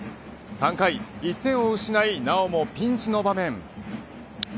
３回、１点を失いなおもピンチの場面。